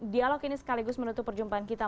dialog ini sekaligus menutup perjumpaan kita